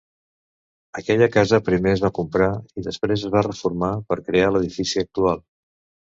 Aquella casa primer es va comprar i després es va reformar, per crear l'edifici actual.